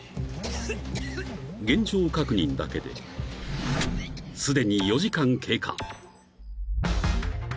［現状確認だけですでに４時間経過］